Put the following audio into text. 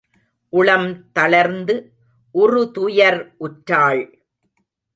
உளம் தளர்ந்து உறுதுயர் உற்றாள்.